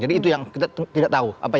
jadi itu yang kita tidak tahu